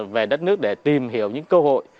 về đất nước để tìm hiểu những cơ hội